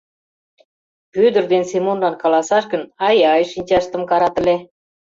Вӧдыр ден Семонлан каласаш гын, ай-яй, шинчаштым карат ыле.